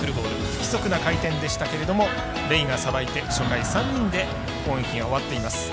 不規則な回転でしたがレイがさばいて初回３人で攻撃が終わっています。